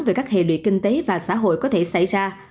về các hệ lụy kinh tế và xã hội có thể xảy ra